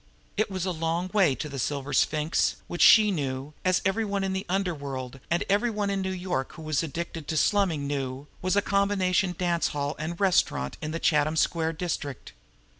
It was a long way to the Silver Sphinx, which she knew, as every one in the underworld, and every one in New York who was addicted to slumming knew, was a combination dance hall and restaurant in the Chatham Square district.